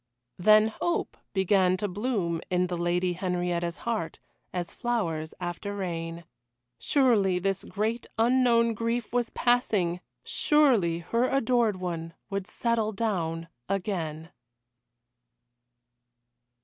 Then hope began to bloom in the Lady Henrietta's heart as flowers after rain. Surely this great unknown grief was passing surely her adored one would settle down again.